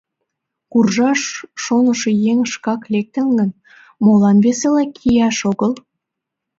— Куржаш шонышо еҥ шкак лектын гын, молан весела кияш огыл?..